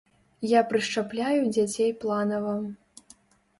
Я прышчапляю дзяцей планава.